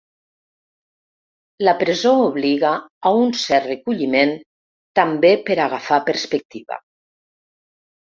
La presó obliga a un cert recolliment, també per agafar perspectiva.